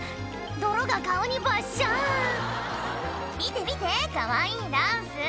泥が顔にバッシャン「見て見てかわいいダンス」